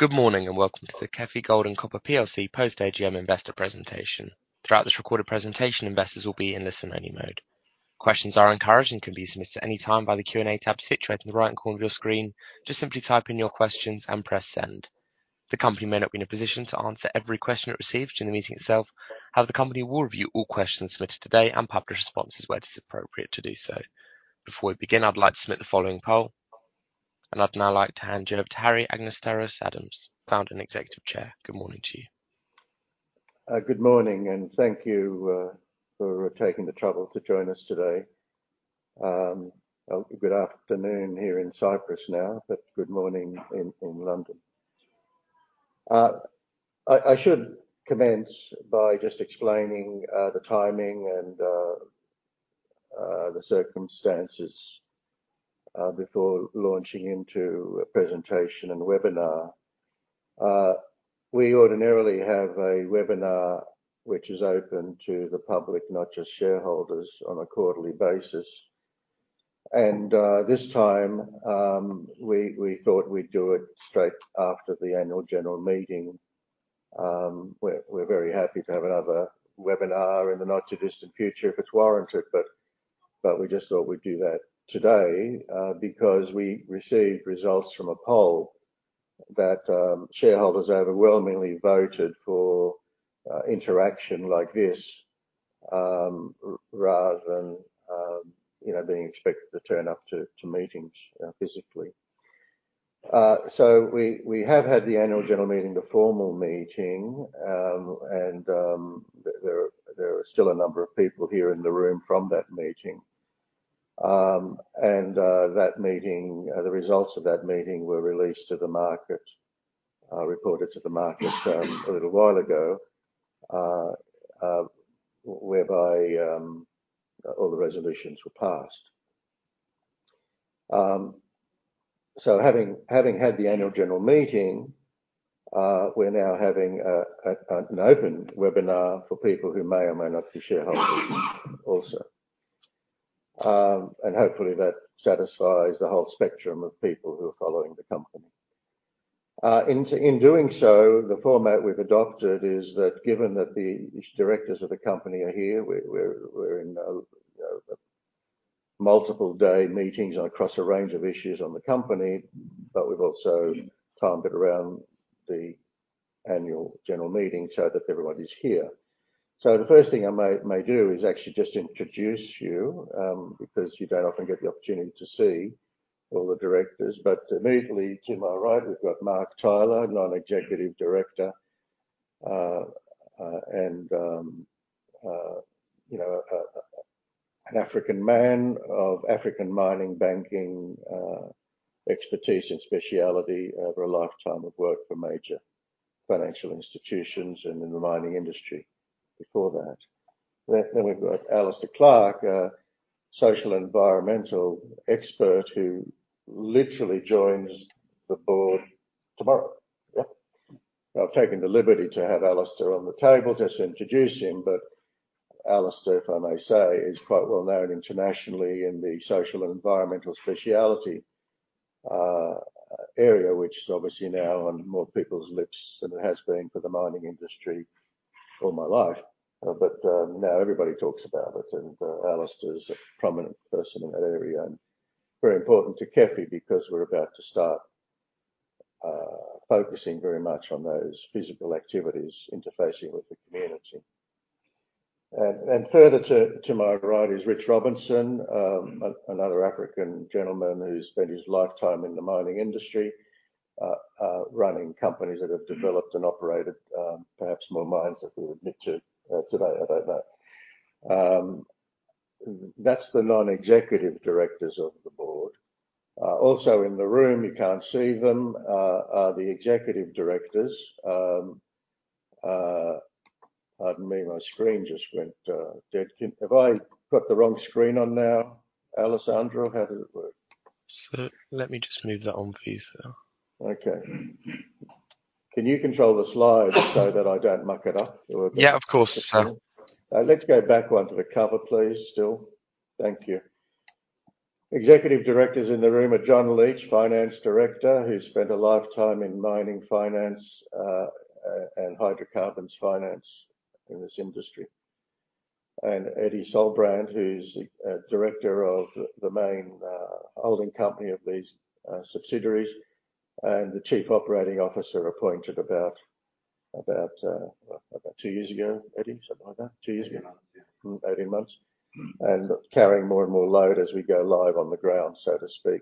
Good morning, and welcome to the KEFI Gold and Copper Plc post-AGM investor presentation. Throughout this recorded presentation, investors will be in listen-only mode. Questions are encouraged and can be submitted at any time by the Q&A tab situated in the right corner of your screen. Just simply type in your questions and press send. The company may not be in a position to answer every question it receives during the meeting itself. However, the company will review all questions submitted today and publish responses where it is appropriate to do so. Before we begin, I'd like to submit the following poll. I'd now like to hand you over to Harry Anagnostaras-Adams, founder and Executive Chairman. Good morning to you. Good morning, and thank you for taking the trouble to join us today. Good afternoon here in Cyprus now, but good morning in London. I should commence by just explaining the timing and the circumstances before launching into a presentation and webinar. We ordinarily have a webinar which is open to the public, not just shareholders, on a quarterly basis. This time, we thought we'd do it straight after the annual general meeting. We're very happy to have another webinar in the not-too-distant future if it's warranted. We just thought we'd do that today because we received results from a poll that shareholders overwhelmingly voted for interaction like this rather than you know, being expected to turn up to meetings physically. We have had the annual general meeting, the formal meeting, and there are still a number of people here in the room from that meeting. The results of that meeting were released to the market, reported to the market a little while ago, whereby all the resolutions were passed. Having had the annual general meeting, we're now having an open webinar for people who may or may not be shareholders also. Hopefully that satisfies the whole spectrum of people who are following the company. In doing so, the format we've adopted is that given that the directors of the company are here, we're in a you know, multiple-day meetings and across a range of issues on the company, but we've also timed it around the annual general meeting so that everybody's here. The first thing I may do is actually just introduce you, because you don't often get the opportunity to see all the directors. Immediately to my right, we've got Mark Tyler, non-executive director, and you know, an African man of African mining banking expertise and specialty over a lifetime of work for major financial institutions and in the mining industry before that. We've got Alistair Clark, a social environmental expert who literally joins the board tomorrow. I've taken the liberty to have Alistair on the table just to introduce him. Alistair, if I may say, is quite well known internationally in the social and environmental specialty area, which is obviously now on more people's lips than it has been for the mining industry all my life. Now everybody talks about it, and Alistair is a prominent person in that area and very important to KEFI because we're about to start focusing very much on those physical activities interfacing with the community. Further to my right is Richard Robinson, another African gentleman who spent his lifetime in the mining industry running companies that have developed and operated perhaps more mines than we'll admit to today. I don't know. That's the Non-Executive Directors of the Board. Also in the room, you can't see them, are the executive directors. Pardon me, my screen just went dead. Have I got the wrong screen on now, Alessandro? How does it work? Let me just move that on for you, sir. Okay. Can you control the slides so that I don't muck it up? Yeah, of course, sir. Let's go back one to the cover, please, still. Thank you. Executive directors in the room are John Leach, Finance Director, who spent a lifetime in mining finance and hydrocarbons finance in this industry. Eddy Solbrandt, who's director of the main holding company of these subsidiaries, and the Chief Operating Officer appointed about to years ago, Eddy, something like that? Two years ago. 18 months, yeah. 18 months. Carrying more and more load as we go live on the ground, so to speak.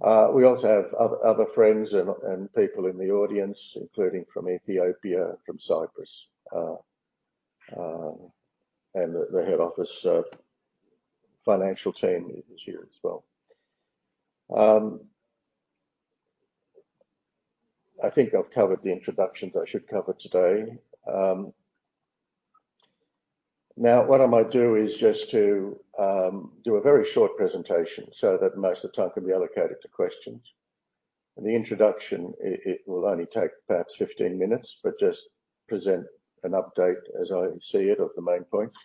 We also have other friends and people in the audience, including from Ethiopia, from Cyprus, and the head office financial team is here as well. I think I've covered the introductions I should cover today. Now what I might do is just to do a very short presentation so that most of the time can be allocated to questions. The introduction, it will only take perhaps 15 minutes, but just present an update as I see it of the main points.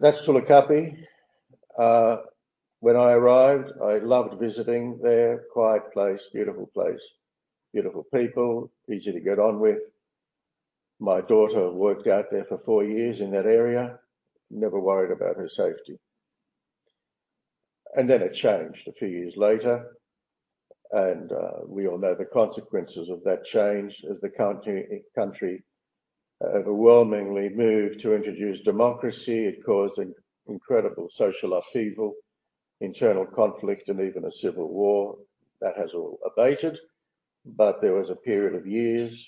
That's Tulu Kapi. When I arrived, I loved visiting there. Quiet place, beautiful place, beautiful people, easy to get on with. My daughter worked out there for four years in that area. Never worried about her safety. Then it changed a few years later, and we all know the consequences of that change. As the country overwhelmingly moved to introduce democracy, it caused an incredible social upheaval, internal conflict, and even a civil war. That has all abated, but there was a period of years,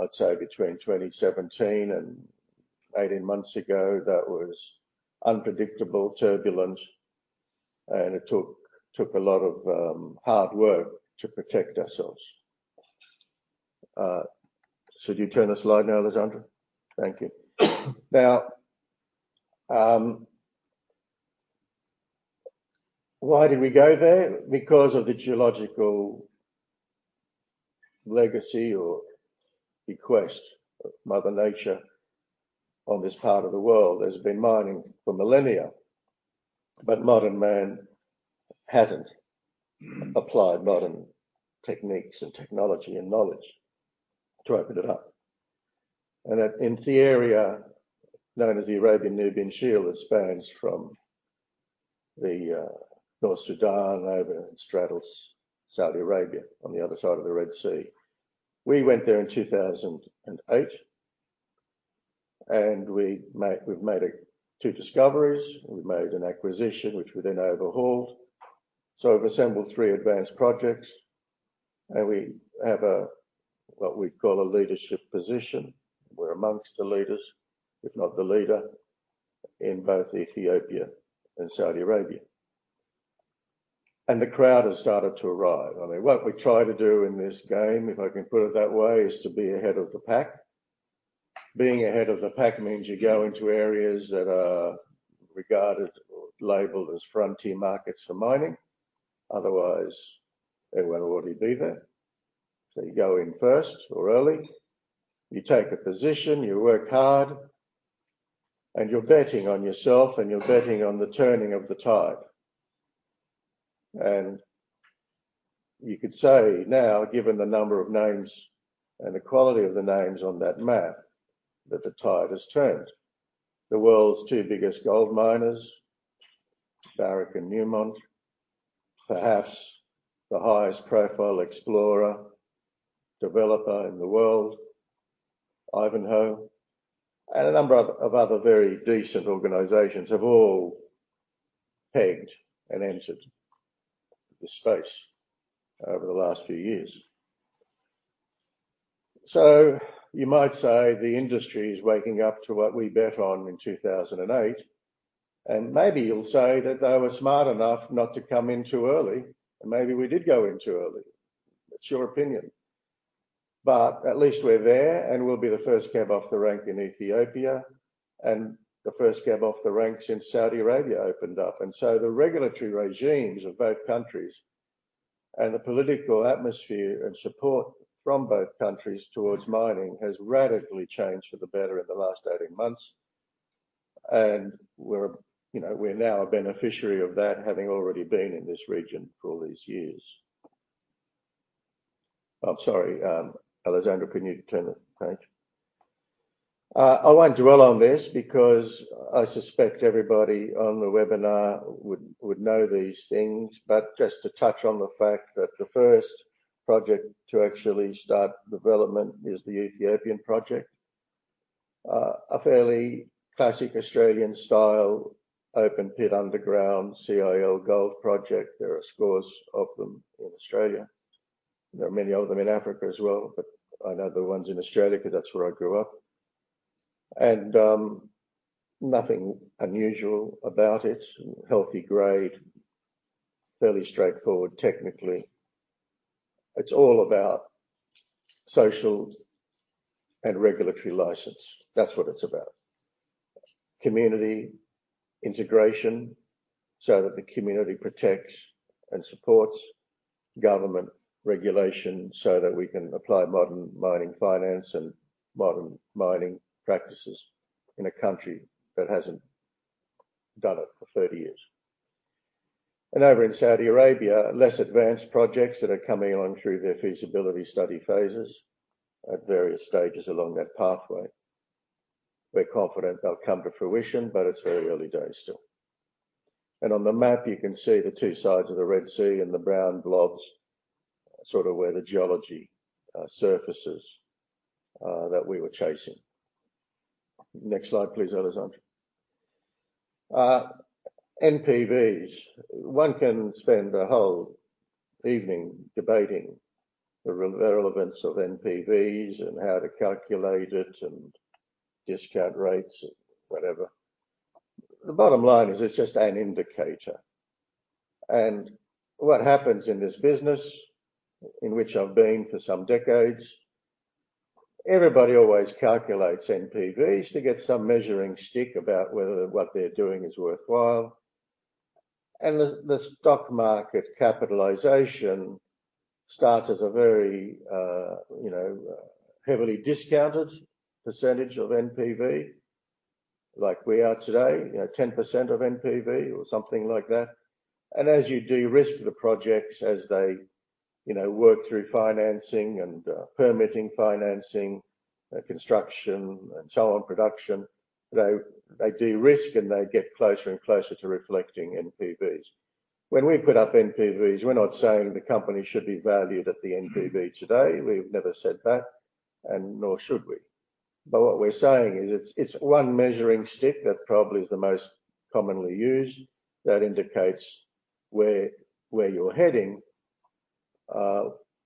I'd say between 2017 and 18 months ago, that was unpredictable turbulence, and it took a lot of hard work to protect ourselves. Should you turn a slide now, Alessandra? Thank you. Now, why did we go there? Because of the geological legacy or bequest of Mother Nature on this part of the world. There's been mining for millennia, but modern man hasn't applied modern techniques and technology and knowledge to open it up. That in the area known as the Arabian-Nubian Shield that spans from the northern Sudan over and straddles Saudi Arabia on the other side of the Red Sea. We went there in 2008, and we've made two discoveries. We made an acquisition, which we then overhauled. We've assembled three advanced projects, and we have a, what we'd call a leadership position. We're among the leaders, if not the leader, in both Ethiopia and Saudi Arabia. The crowd has started to arrive. I mean, what we try to do in this game, if I can put it that way, is to be ahead of the pack. Being ahead of the pack means you go into areas that are regarded or labeled as frontier markets for mining. Otherwise, everyone will already be there. You go in first or early, you take a position, you work hard, and you're betting on yourself, and you're betting on the turning of the tide. You could say now, given the number of names and the quality of the names on that map, that the tide has turned. The world's two biggest gold miners, Barrick and Newmont. Perhaps the highest profile explorer, developer in the world, Ivanhoe. A number of other very decent organizations have all pegged and entered this space over the last few years. You might say the industry is waking up to what we bet on in 2008, and maybe you'll say that they were smart enough not to come in too early, and maybe we did go in too early. It's your opinion. At least we're there, and we'll be the first cab off the rank in Ethiopia and the first cab off the rank since Saudi Arabia opened up. The regulatory regimes of both countries and the political atmosphere and support from both countries towards mining has radically changed for the better in the last 18 months. We're, you know, we're now a beneficiary of that, having already been in this region for all these years. I'm sorry, Alessandra, can you turn the page? I won't dwell on this because I suspect everybody on the webinar would know these things. Just to touch on the fact that the first project to actually start development is the Ethiopian project. A fairly classic Australian-style open pit underground CIL gold project. There are scores of them in Australia. There are many of them in Africa as well, but I know the ones in Australia 'cause that's where I grew up. Nothing unusual about it. Healthy grade. Fairly straightforward technically. It's all about social and regulatory license. That's what it's about. Community integration so that the community protects and supports government regulation, so that we can apply modern mining finance and modern mining practices in a country that hasn't done it for 30 years. Over in Saudi Arabia, less advanced projects that are coming on through their feasibility study phases at various stages along that pathway. We're confident they'll come to fruition, but it's very early days still. On the map, you can see the two sides of the Red Sea and the brown blobs, sort of where the geology surfaces that we were chasing. Next slide, please, Alessandra. NPVs. One can spend a whole evening debating the relevance of NPVs and how to calculate it and discount rates and whatever. The bottom line is it's just an indicator. What happens in this business, in which I've been for some decades, everybody always calculates NPVs to get some measuring stick about whether what they're doing is worthwhile. The stock market capitalization starts as a very, you know, heavily discounted percentage of NPV like we are today. You know, 10% of NPV or something like that. As you de-risk the projects, as they, you know, work through financing and permitting, construction and so on, production, they de-risk and they get closer and closer to reflecting NPVs. When we put up NPVs, we're not saying the company should be valued at the NPV today. We've never said that and nor should we. What we're saying is it's one measuring stick that probably is the most commonly used that indicates where you're heading,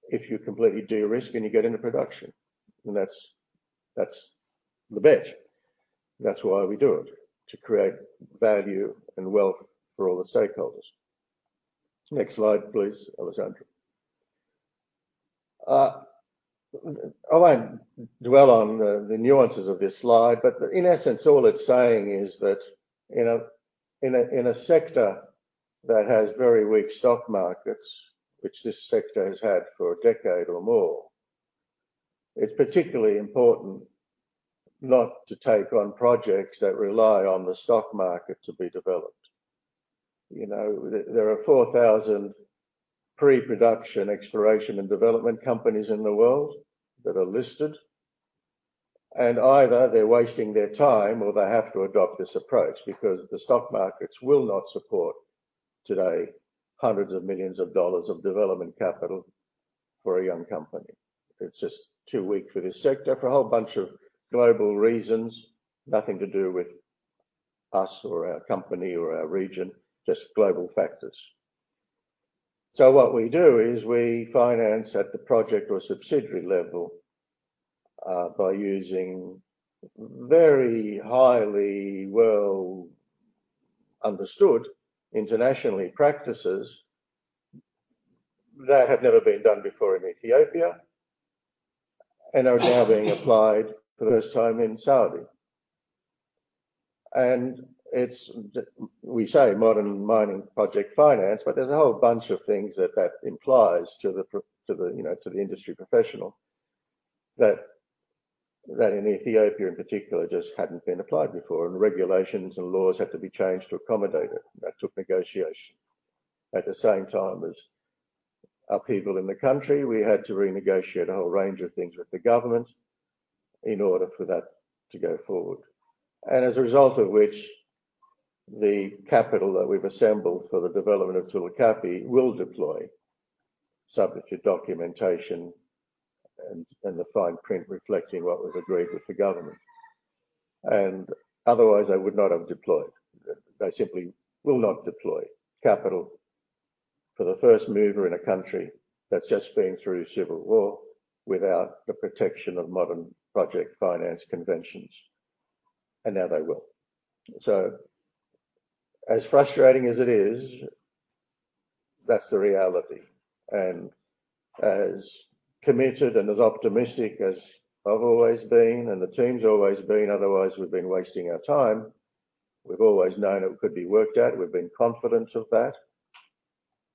if you completely de-risk and you get into production. That's the bet. That's why we do it, to create value and wealth for all the stakeholders. Next slide, please, Alessandro. I won't dwell on the nuances of this slide, but in essence, all it's saying is that in a sector that has very weak stock markets, which this sector has had for a decade or more, it's particularly important not to take on projects that rely on the stock market to be developed. You know, there are 4,000 pre-production exploration and development companies in the world that are listed. Either they're wasting their time or they have to adopt this approach because the stock markets will not support today $hundreds of millions of development capital for a young company. It's just too weak for this sector for a whole bunch of global reasons. Nothing to do with us or our company or our region, just global factors. What we do is we finance at the project or subsidiary level by using very highly well understood international practices that have never been done before in Ethiopia and are now being applied for the first time in Saudi. It's, we say, modern mining project finance, but there's a whole bunch of things that that implies to the, you know, to the industry professional that in Ethiopia in particular, just hadn't been applied before. Regulations and laws had to be changed to accommodate it. That took negotiation. At the same time as upheaval in the country, we had to renegotiate a whole range of things with the government in order for that to go forward. As a result of which, the capital that we've assembled for the development of Tulu Kapi will deploy subject to documentation and the fine print reflecting what was agreed with the government. Otherwise, they would not have deployed. They simply will not deploy capital for the first mover in a country that's just been through civil war without the protection of modern project finance conventions, and now they will. As frustrating as it is, that's the reality. As committed and as optimistic as I've always been and the team's always been, otherwise we'd been wasting our time. We've always known it could be worked out. We've been confident of that,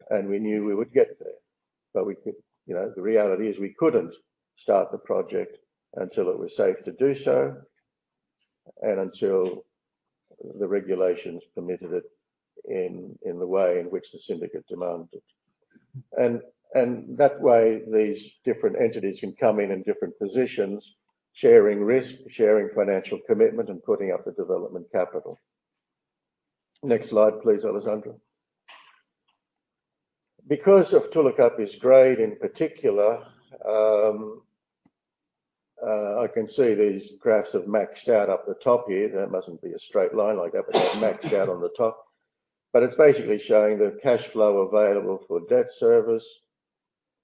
and we knew we would get there. You know, the reality is we couldn't start the project until it was safe to do so and until the regulations permitted it in the way in which the syndicate demanded. That way, these different entities can come in in different positions, sharing risk, sharing financial commitment, and putting up the development capital. Next slide, please, Alessandro. Because of Tulu Kapi's grade in particular, I can see these graphs have maxed out up the top here. That mustn't be a straight line like that, but they've maxed out on the top. It's basically showing the cash flow available for debt service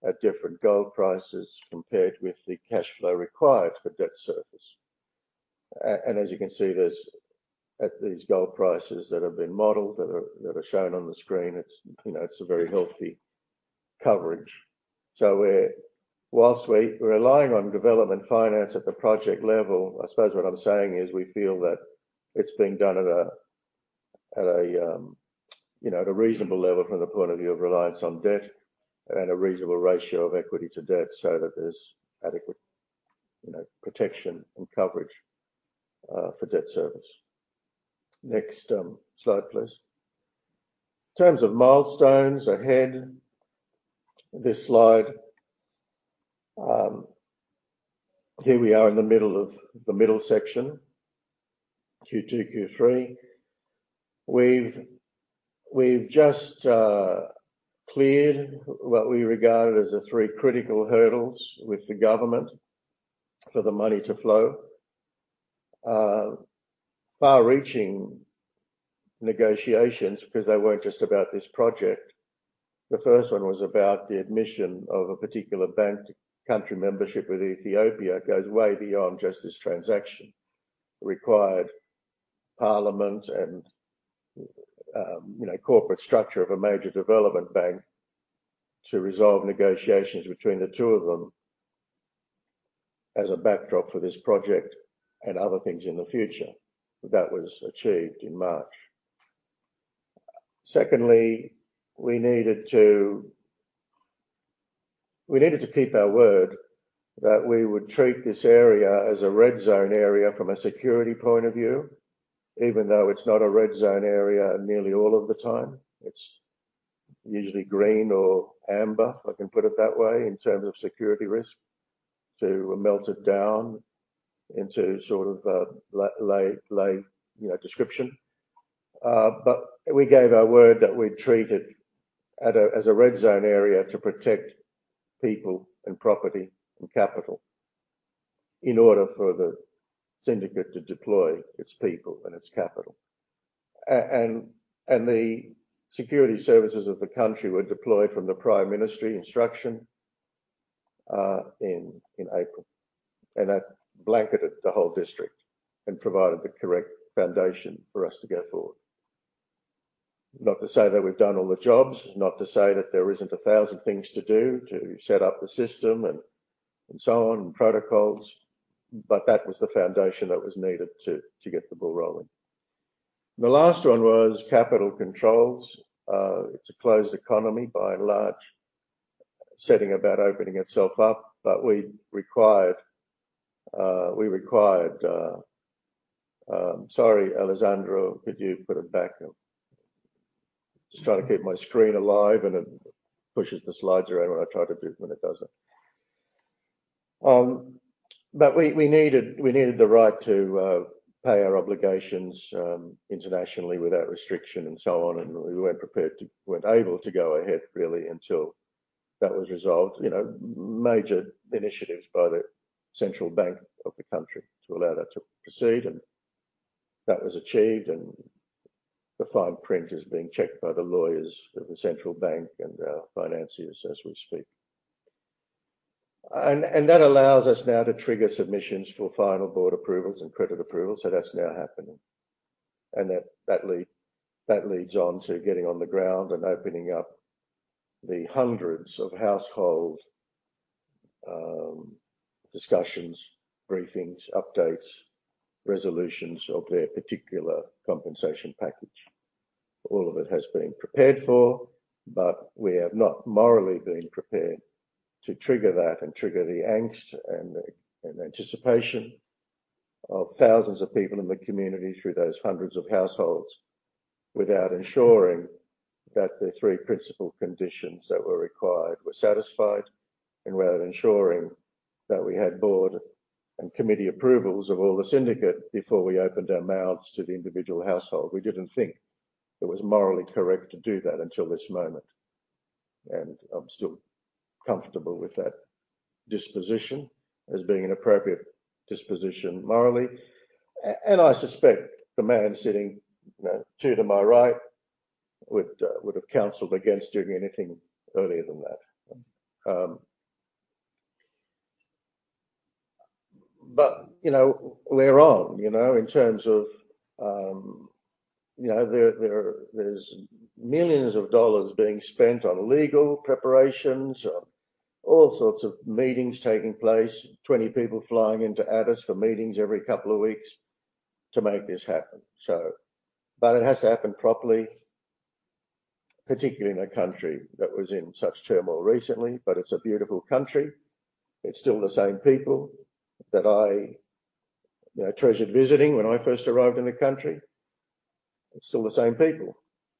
at different gold prices compared with the cash flow required for debt service. As you can see, there's At these gold prices that have been modeled, that are shown on the screen, it's, you know, a very healthy coverage. Whilst we're relying on development finance at the project level, I suppose what I'm saying is we feel that it's being done at a, you know, reasonable level from the point of view of reliance on debt and a reasonable ratio of equity to debt so that there's adequate, you know, protection and coverage for debt service. Next, slide, please. In terms of milestones ahead, this slide, here we are in the middle of the middle section, Q2, Q3. We've just cleared what we regard as the three critical hurdles with the government for the money to flow. Far-reaching negotiations because they weren't just about this project. The first one was about the admission of a particular bank. Counterparty membership with Ethiopia goes way beyond just this transaction. It required parliament and you know corporate structure of a major development bank to resolve negotiations between the two of them as a backdrop for this project and other things in the future. That was achieved in March. Secondly, we needed to keep our word that we would treat this area as a red zone area from a security point of view, even though it's not a red zone area nearly all of the time. It's usually green or amber, if I can put it that way, in terms of security risk, to melt it down into sort of a layman's you know description. We gave our word that we'd treat it as a red zone area to protect people and property and capital in order for the syndicate to deploy its people and its capital. The security services of the country were deployed from the Prime Minister's instruction in April. That blanketed the whole district and provided the correct foundation for us to go forward. Not to say that we've done all the jobs, not to say that there isn't a thousand things to do to set up the system and so on, and protocols, but that was the foundation that was needed to get the ball rolling. The last one was capital controls. It's a closed economy by and large, setting about opening itself up. We required... Sorry, Alessandro, could you put it back up? Just trying to keep my screen alive, and it pushes the slides around. We needed the right to pay our obligations internationally without restriction and so on. We weren't able to go ahead really until that was resolved. You know, major initiatives by the central bank of the country to allow that to proceed, and that was achieved. The fine print is being checked by the lawyers of the central bank and our financiers as we speak. That allows us now to trigger submissions for final board approvals and credit approvals. That's now happening. That leads on to getting on the ground and opening up the hundreds of household discussions, briefings, updates, resolutions of their particular compensation package. All of it has been prepared for, but we have not morally been prepared to trigger that and trigger the angst and anticipation of thousands of people in the community through those hundreds of households without ensuring that the three principal conditions that were required were satisfied. Without ensuring that we had board and committee approvals of all the syndicate before we opened our mouths to the individual household. We didn't think it was morally correct to do that until this moment. I'm still comfortable with that disposition as being an appropriate disposition morally. I suspect the man sitting, you know, two to my right would have counseled against doing anything earlier than that. You know, we're on. You know, in terms of, you know, there's $ millions being spent on legal preparations, all sorts of meetings taking place. 20 people flying into Addis for meetings every couple of weeks to make this happen. It has to happen properly, particularly in a country that was in such turmoil recently. It's a beautiful country. It's still the same people that I, you know, treasured visiting when I first arrived in the country. It's still the same people.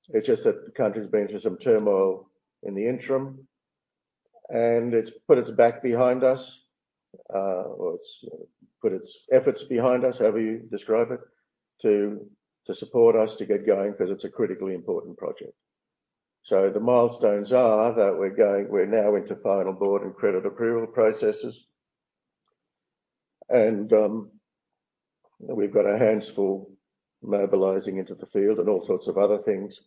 It's just that the country's been through some turmoil in the interim, and it's put its back behind us, or it's put its efforts behind us, however you describe it, to support us to get going 'cause it's a critically important project. The milestones are that we're now into final board and credit approval processes. We've got our hands full mobilizing into the field and all sorts of other things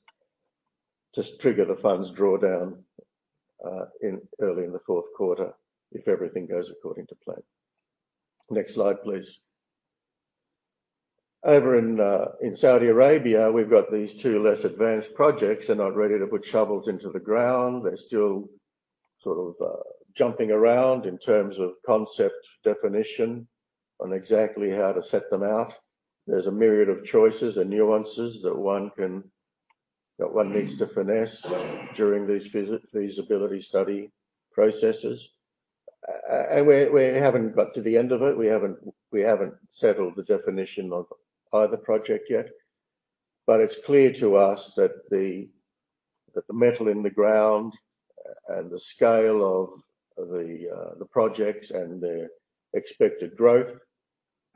to trigger the funds drawdown early in the fourth quarter if everything goes according to plan. Next slide, please. Over in Saudi Arabia, we've got these two less advanced projects. They're not ready to put shovels into the ground. They're still sort of jumping around in terms of concept definition on exactly how to set them out. There's a myriad of choices and nuances that one needs to finesse during these feasibility study processes. We haven't got to the end of it. We haven't settled the definition of either project yet. It's clear to us that the metal in the ground and the scale of the projects and their expected growth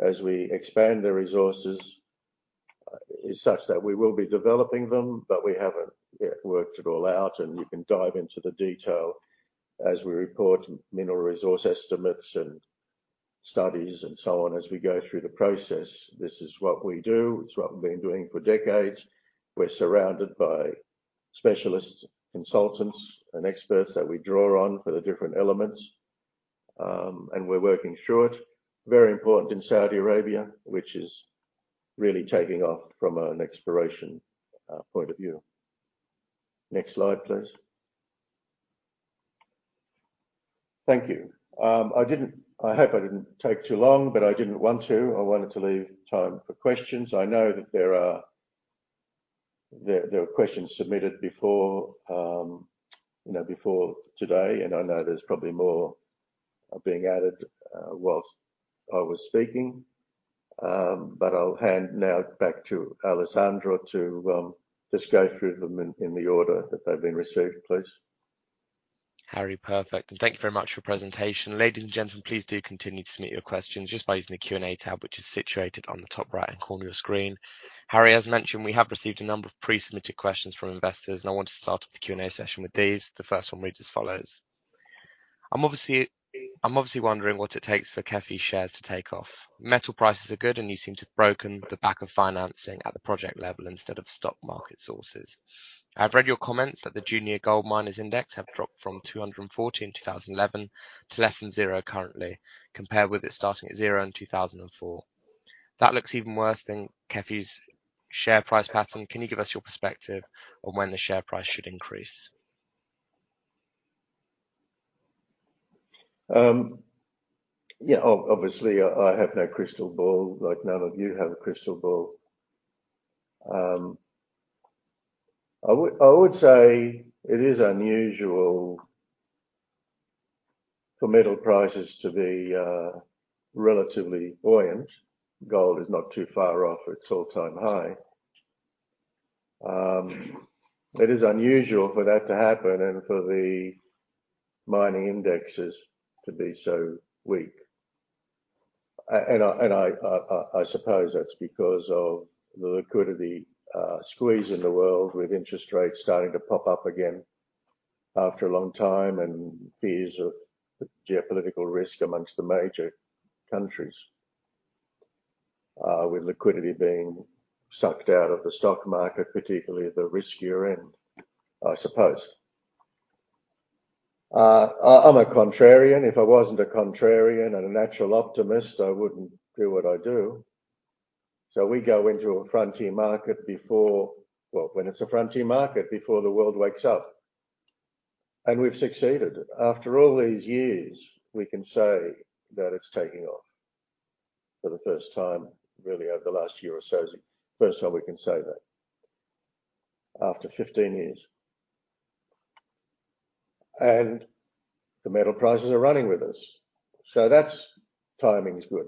as we expand the resources is such that we will be developing them, but we haven't yet worked it all out. You can dive into the detail as we report mineral resource estimates and studies and so on as we go through the process. This is what we do. It's what we've been doing for decades. We're surrounded by specialist consultants and experts that we draw on for the different elements. We're working short. Very important in Saudi Arabia, which is really taking off from an exploration point of view. Next slide, please. Thank you. I hope I didn't take too long, but I didn't want to. I wanted to leave time for questions. I know that there were questions submitted before, you know, before today, and I know there's probably more are being added, while I was speaking. I'll hand now back to Alessandro to just go through them in the order that they've been received, please. Harry, perfect. Thank you very much for your presentation. Ladies and gentlemen, please do continue to submit your questions just by using the Q&A tab which is situated on the top right-hand corner of your screen. Harry, as mentioned, we have received a number of pre-submitted questions from investors, and I want to start off the Q&A session with these. The first one reads as follows: I'm obviously wondering what it takes for KEFI shares to take off. Metal prices are good, and you seem to have broken the back of financing at the project level instead of stock market sources. I've read your comments that the Junior Gold Miners Index have dropped from 240 in 2011 to less than 0 currently, compared with it starting at 0 in 2004. That looks even worse than KEFI's share price pattern. Can you give us your perspective on when the share price should increase? Yeah, obviously, I have no crystal ball, like none of you have a crystal ball. I would say it is unusual for metal prices to be relatively buoyant. Gold is not too far off its all-time high. It is unusual for that to happen and for the mining indexes to be so weak. I suppose that's because of the liquidity squeeze in the world with interest rates starting to pop up again after a long time and fears of the geopolitical risk amongst the major countries, with liquidity being sucked out of the stock market, particularly the riskier end, I suppose. I'm a contrarian. If I wasn't a contrarian and a natural optimist, I wouldn't do what I do. We go into a frontier market before... Well, when it's a frontier market, before the world wakes up. We've succeeded. After all these years, we can say that it's taking off for the first time, really, over the last year or so. It's the first time we can say that after 15 years. The metal prices are running with us. The timing is good.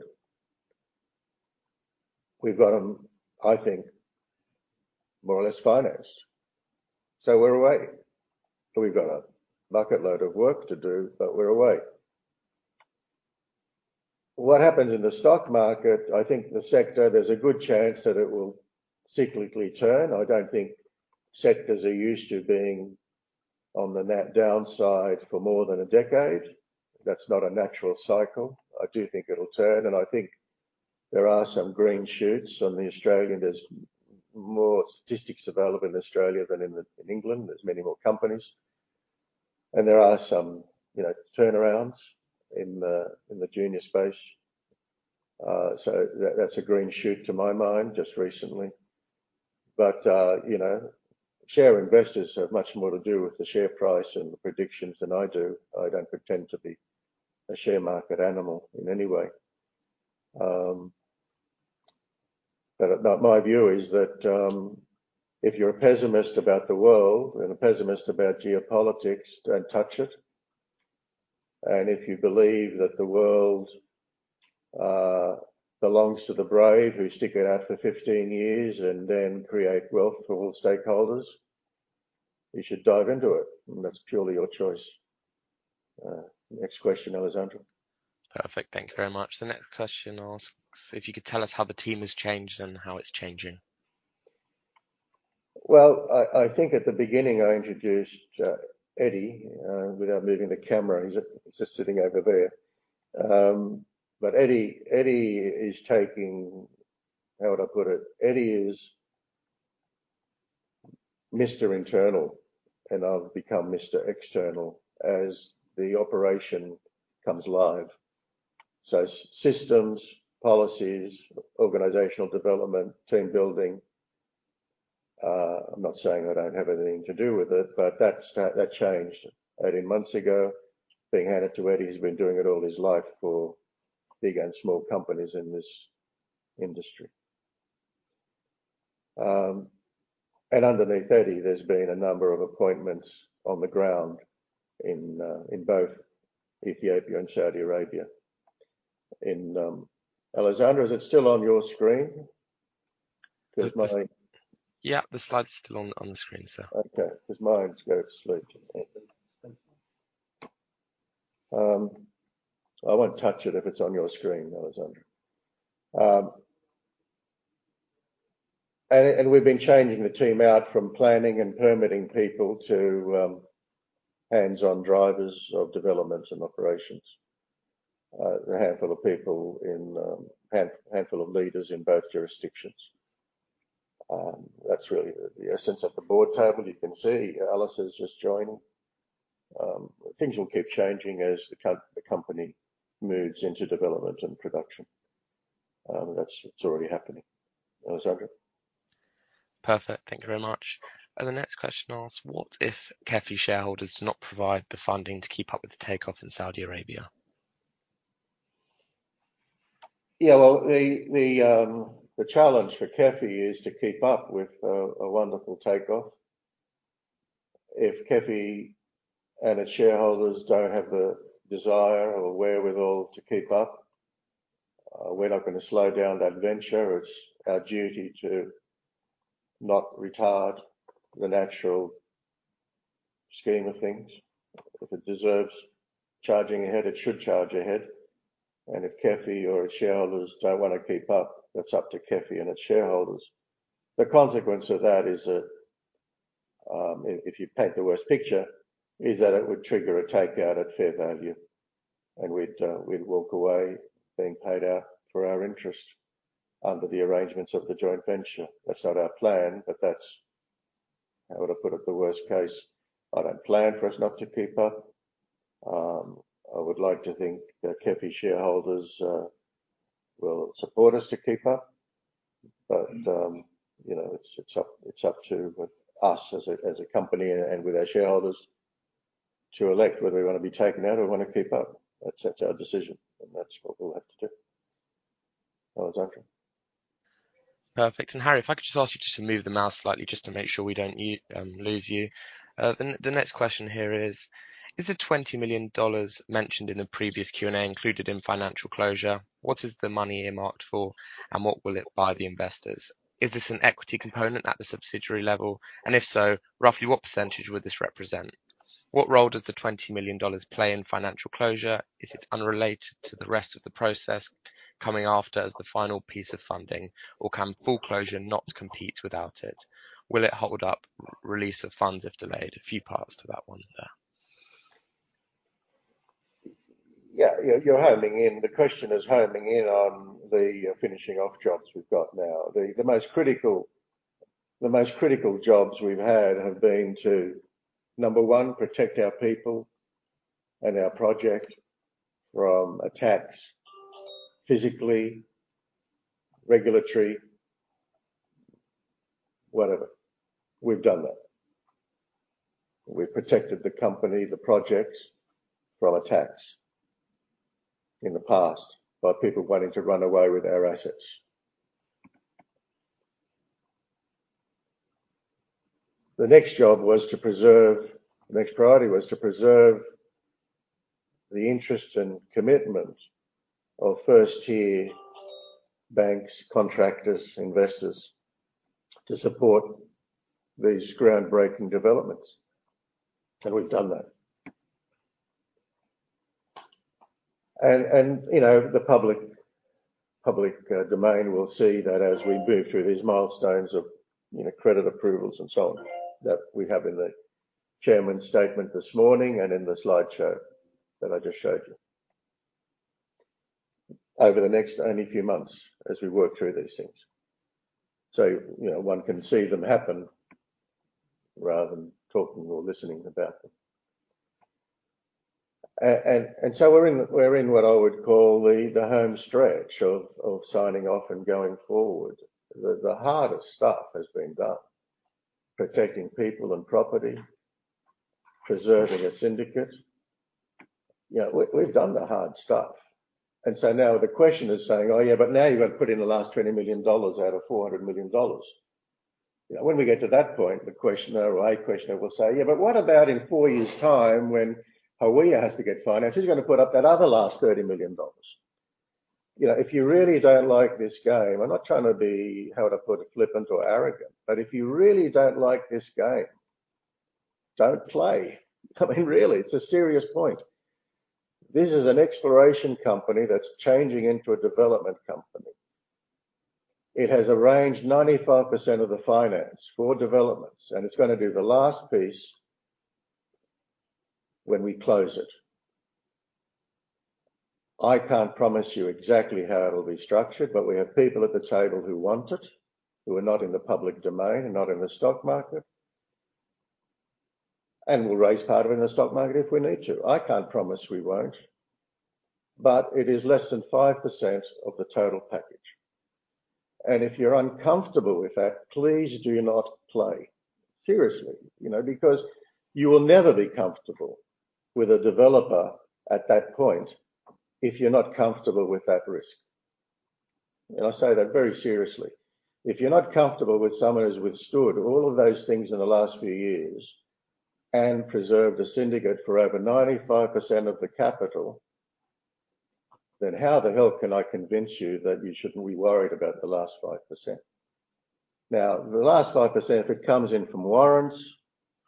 We've got them, I think, more or less financed. We're away. We've got a bucket load of work to do, but we're away. What happens in the stock market, I think the sector, there's a good chance that it will cyclically turn. I don't think sectors are used to being on the net downside for more than a decade. That's not a natural cycle. I do think it'll turn, and I think there are some green shoots. On the Australian, there's more statistics available in Australia than in England. There's many more companies. There are some turnarounds in the junior space. That's a green shoot to my mind, just recently. Share investors have much more to do with the share price and the predictions than I do. I don't pretend to be a share market animal in any way. My view is that if you're a pessimist about the world and a pessimist about geopolitics, don't touch it. If you believe that the world belongs to the brave who stick it out for 15 years and then create wealth for all stakeholders, you should dive into it. That's purely your choice. Next question, Alessandro. Perfect. Thank you very much. The next question asks if you could tell us how the team has changed and how it's changing. Well, I think at the beginning, I introduced Eddie without moving the camera. He's just sitting over there. But Eddie is taking. How would I put it? Eddie is Mr. Internal, and I've become Mr. External as the operation comes live. Systems, policies, organizational development, team building. I'm not saying I don't have anything to do with it, but that changed 18 months ago, being handed to Eddie, who's been doing it all his life for big and small companies in this industry. Underneath Eddie, there's been a number of appointments on the ground in both Ethiopia and Saudi Arabia. Alessandro, is it still on your screen? 'Cause my- Yeah, the slide's still on the screen, sir. Okay. 'Cause mine's gone to sleep. I won't touch it if it's on your screen, Alessandro. We've been changing the team out from planning and permitting people to hands-on drivers of developments and operations. A handful of people and handful of leaders in both jurisdictions. That's really the essence. At the board table, you can see Alistair Clark has just joined. Things will keep changing as the company moves into development and production. That's it. It's already happening. Alessandro Perfect. Thank you very much. The next question asks: What if KEFI shareholders do not provide the funding to keep up with the take-off in Saudi Arabia? Yeah. Well, the challenge for KEFI is to keep up with a wonderful take-off. If KEFI and its shareholders don't have the desire or wherewithal to keep up, we're not gonna slow down that venture. It's our duty to not retard the natural scheme of things. If it deserves charging ahead, it should charge ahead. If KEFI or its shareholders don't wanna keep up, that's up to KEFI and its shareholders. The consequence of that is that if you paint the worst picture, it would trigger a takeout at fair value, and we'd walk away being paid out for our interest under the arrangements of the joint venture. That's not our plan, but that's how to put it the worst case. I don't plan for us not to keep up. I would like to think that KEFI shareholders will support us to keep up. You know, it's up to us as a company and our shareholders to elect whether we wanna be taken out or we wanna keep up. That's up to our decision, and that's what we'll have to do. Alessandro. Perfect. Harry, if I could just ask you just to move the mouse slightly just to make sure we don't lose you. The next question here is: Is the $20 million mentioned in the previous Q&A included in financial closure? What is the money earmarked for, and what will it buy the investors? Is this an equity component at the subsidiary level? And if so, roughly what percentage would this represent? What role does the $20 million play in financial closure if it's unrelated to the rest of the process coming after as the final piece of funding? Or can full closure not compete without it? Will it hold up release of funds if delayed? A few parts to that one there. Yeah. You're homing in. The question is homing in on the finishing off jobs we've got now. The most critical jobs we've had have been to, number one, protect our people and our project from attacks, physically, regulatory, whatever. We've done that. We've protected the company, the projects from attacks in the past by people wanting to run away with our assets. The next priority was to preserve the interest and commitment of first-tier banks, contractors, investors to support these groundbreaking developments. We've done that. You know, the public domain will see that as we move through these milestones of, you know, credit approvals and so on, that we have in the chairman's statement this morning and in the slideshow that I just showed you. Over the next only few months as we work through these things. You know, one can see them happen rather than talking or listening about them. We're in what I would call the home stretch of signing off and going forward. The hardest stuff has been done, protecting people and property, preserving a syndicate. You know, we've done the hard stuff. Now the question is saying, "Oh, yeah, but now you've got to put in the last $20 million out of $400 million." You know, when we get to that point, the questioner or a questioner will say, "Yeah, but what about in four years' time when Hawiah has to get financed? Who's gonna put up that other last $30 million?" You know, if you really don't like this game, I'm not trying to be, how to put it, flippant or arrogant. If you really don't like this game, don't play. I mean, really, it's a serious point. This is an exploration company that's changing into a development company. It has arranged 95% of the finance for developments, and it's gonna do the last piece when we close it. I can't promise you exactly how it'll be structured, but we have people at the table who want it, who are not in the public domain and not in the stock market, and will raise part of it in the stock market if we need to. I can't promise we won't. It is less than 5% of the total package. If you're uncomfortable with that, please do not play. Seriously. You know? Because you will never be comfortable with a developer at that point if you're not comfortable with that risk. I say that very seriously. If you're not comfortable with someone who's withstood all of those things in the last few years and preserved a syndicate for over 95% of the capital, then how the hell can I convince you that you shouldn't be worried about the last 5%? Now, the last 5%, if it comes in from warrants,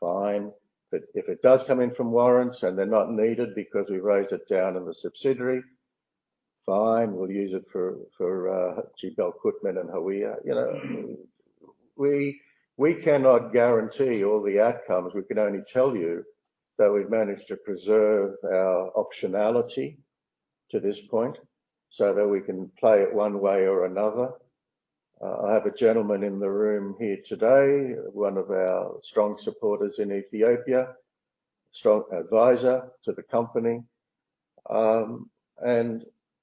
fine. But if it does come in from warrants and they're not needed because we raised it down in the subsidiary, fine. We'll use it for cheap equipment in Hawiah. You know, we cannot guarantee all the outcomes. We can only tell you that we've managed to preserve our optionality to this point so that we can play it one way or another. I have a gentleman in the room here today, one of our strong supporters in Ethiopia, strong advisor to the company.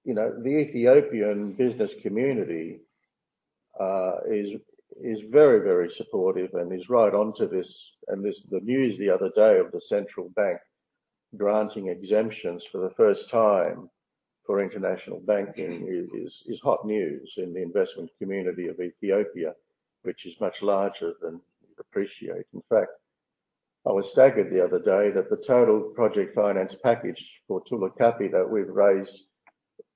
You know, the Ethiopian business community is very supportive and is right onto this. This, the news the other day of the central bank granting exemptions for the first time for international banking is hot news in the investment community of Ethiopia, which is much larger than you appreciate. In fact, I was staggered the other day that the total project finance package for Tulu Kapi that we've raised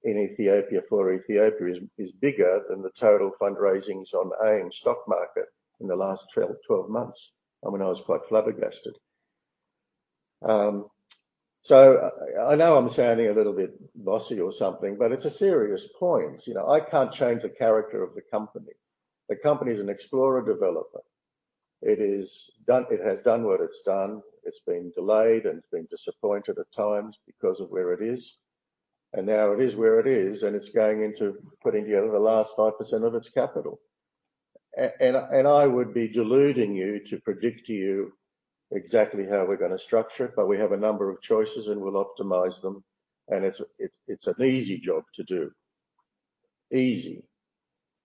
in Ethiopia for Ethiopia is bigger than the total fundraisings on AIM stock market in the last 12 months. I mean, I was quite flabbergasted. I know I'm sounding a little bit bossy or something, but it's a serious point. You know, I can't change the character of the company. The company is an explorer developer. It has done what it's done. It's been delayed, and it's been disappointed at times because of where it is. Now it is where it is, and it's going into putting together the last 5% of its capital. And I would be deluding you to predict to you exactly how we're gonna structure it, but we have a number of choices, and we'll optimize them, and it's an easy job to do. Easy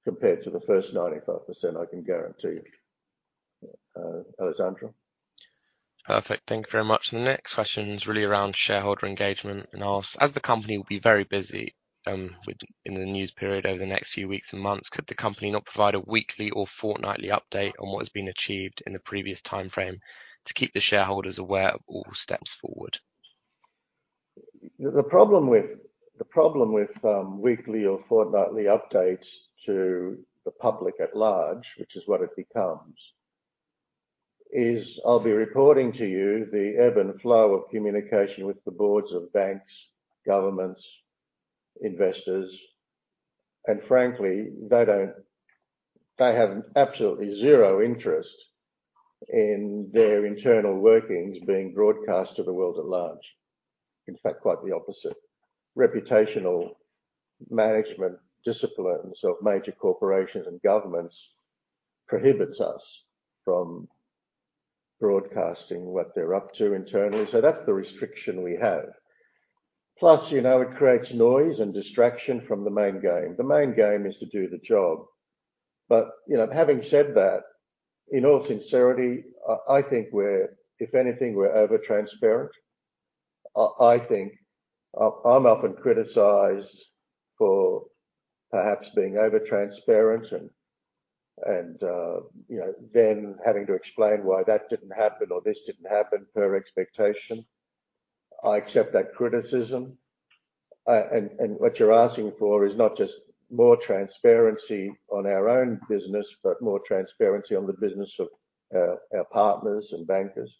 compared to the first 95%, I can guarantee you. Alessandro. Perfect. Thank you very much. The next question is really around shareholder engagement and asks, "As the company will be very busy within the news period over the next few weeks and months, could the company not provide a weekly or fortnightly update on what has been achieved in the previous timeframe to keep the shareholders aware of all steps forward? The problem with weekly or fortnightly updates to the public at large, which is what it becomes, is I'll be reporting to you the ebb and flow of communication with the boards of banks, governments, investors. Frankly, they don't. They have absolutely zero interest in their internal workings being broadcast to the world at large. In fact, quite the opposite. Reputational management disciplines of major corporations and governments prohibits us from broadcasting what they're up to internally. So that's the restriction we have. Plus, you know, it creates noise and distraction from the main game. The main game is to do the job. You know, having said that, in all sincerity, I think we're, if anything, over-transparent. I think I'm often criticized for perhaps being over-transparent and, you know, then having to explain why that didn't happen or this didn't happen per expectation. I accept that criticism. What you're asking for is not just more transparency on our own business, but more transparency on the business of our partners and bankers.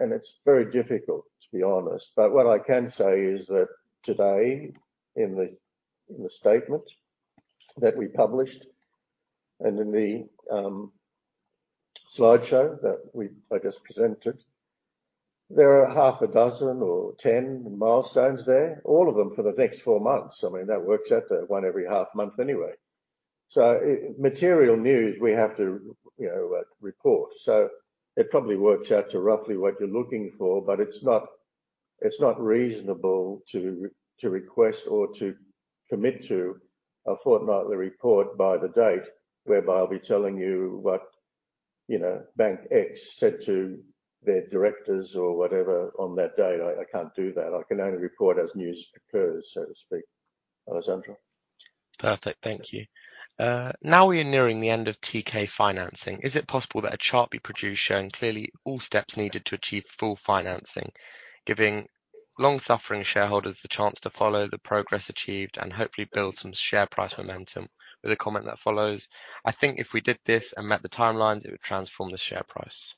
It's very difficult, to be honest. What I can say is that today, in the statement that we published and in the slideshow that I just presented, there are 6 or 10 milestones there. All of them for the next four months. I mean, that works out to one every half month anyway. Material news we have to, you know, report. It probably works out to roughly what you're looking for, but it's not reasonable to request or to commit to a fortnightly report by the date whereby I'll be telling you what, you know, bank X said to their directors or whatever on that date. I can't do that. I can only report as news occurs, so to speak. Alessandro. Perfect. Thank you. Now we are nearing the end of TK financing. Is it possible that a chart be produced showing clearly all steps needed to achieve full financing, giving long-suffering shareholders the chance to follow the progress achieved and hopefully build some share price momentum? With a comment that follows, "I think if we did this and met the timelines, it would transform the share price.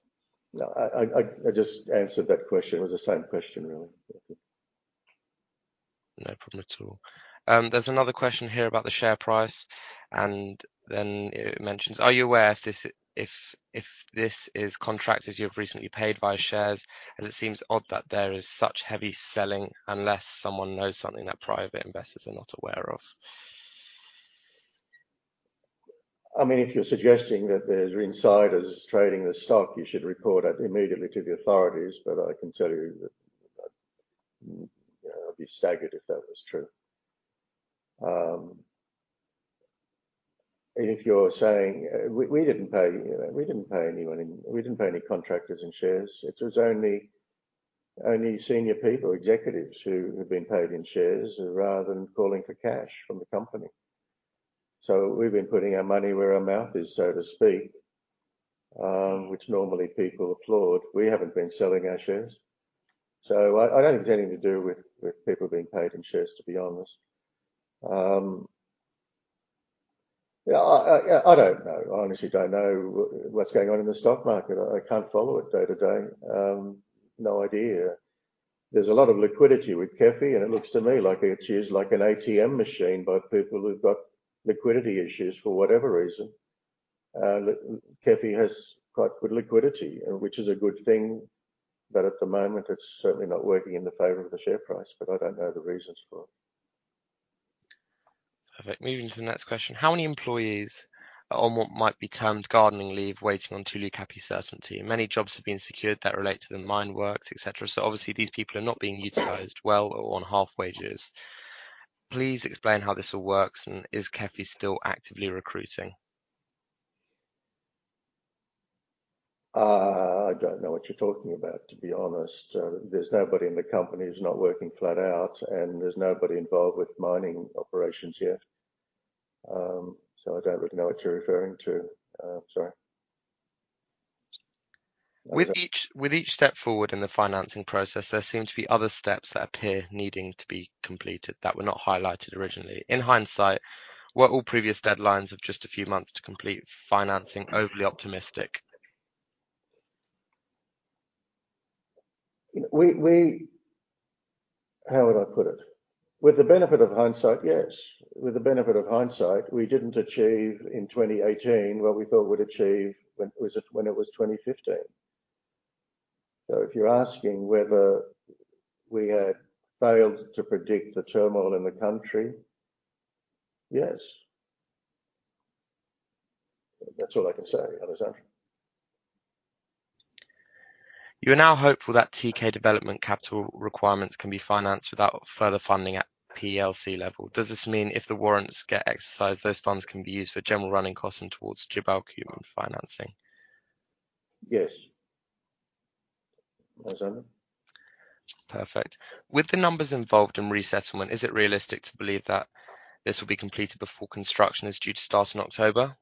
No, I just answered that question. It was the same question, really. No problem at all. There's another question here about the share price, and then it mentions, "Are you aware if this is contractors you've recently paid via shares? As it seems odd that there is such heavy selling unless someone knows something that private investors are not aware of. I mean, if you're suggesting that there's insider trading the stock, you should report it immediately to the authorities. I can tell you that, you know, I'd be staggered if that was true. If you're saying we didn't pay, you know, we didn't pay anyone in shares. We didn't pay any contractors in shares. It was only senior people, executives who have been paid in shares rather than calling for cash from the company. We've been putting our money where our mouth is, so to speak, which normally people applaud. We haven't been selling our shares. I don't think it's anything to do with people being paid in shares, to be honest. Yeah, I don't know. I honestly don't know what's going on in the stock market. I can't follow it day to day. No idea. There's a lot of liquidity with KEFI, and it looks to me like it's used like an ATM machine by people who've got liquidity issues for whatever reason. KEFI has quite good liquidity, which is a good thing. At the moment, it's certainly not working in the favor of the share price, but I don't know the reasons for it. Perfect. Moving to the next question. How many employees are on what might be termed gardening leave, waiting on Tulu Kapi certainty? Many jobs have been secured that relate to the mine works, et cetera. So obviously these people are not being utilized well or on half wages. Please explain how this all works. Is KEFI still actively recruiting? I don't know what you're talking about, to be honest. There's nobody in the company who's not working flat out, and there's nobody involved with mining operations yet. I don't recognize what you're referring to. Sorry. With each step forward in the financing process, there seem to be other steps that appear needing to be completed that were not highlighted originally. In hindsight, were all previous deadlines of just a few months to complete financing overly optimistic? How would I put it? With the benefit of hindsight, yes. With the benefit of hindsight, we didn't achieve in 2018 what we thought we'd achieve when, was it, when it was 2015. If you're asking whether we had failed to predict the turmoil in the country, yes. That's all I can say, Alessandro. You're now hopeful that TK development capital requirements can be financed without further funding at PLC level. Does this mean if the warrants get exercised, those funds can be used for general running costs and towards Jibal Qutman financing? Yes. Alessandro. Perfect. With the numbers involved in resettlement, is it realistic to believe that this will be completed before construction is due to start in October?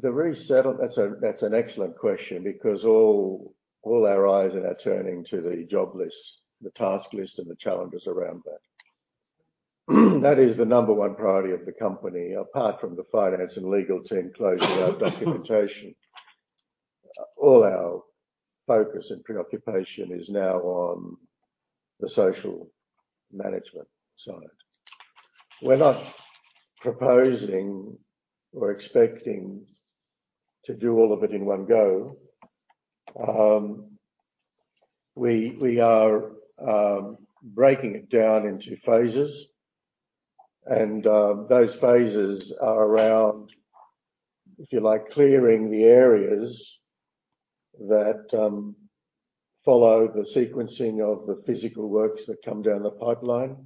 That's an excellent question because all our eyes are now turning to the job list, the task list, and the challenges around that. That is the number one priority of the company, apart from the finance and legal team closing our documentation. All our focus and preoccupation is now on the social management side. We're not proposing or expecting to do all of it in one go. We are breaking it down into phases and those phases are around, if you like, clearing the areas that follow the sequencing of the physical works that come down the pipeline.